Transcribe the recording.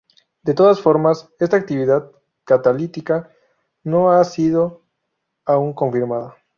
De todas formas, esta actividad catalítica no ha sido aun confirmada.